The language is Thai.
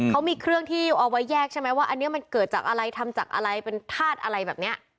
เขามีเครื่องที่เอาไว้แยกใช่ไหมว่าอันนี้มันเกิดจากอะไรทำจากอะไรเป็นธาตุอะไรแบบนี้